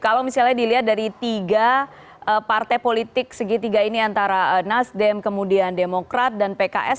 kalau misalnya dilihat dari tiga partai politik segitiga ini antara nasdem kemudian demokrat dan pks